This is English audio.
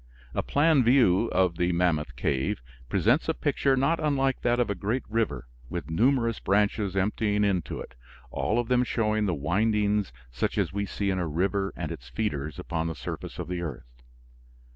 A plan view of the Mammoth Cave presents a picture not unlike that of a great river with numerous branches emptying into it, all of them showing the windings such as we see in a river and its feeders upon the surface of the earth.